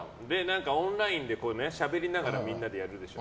オンラインでしゃべりながらみんなでやるでしょ。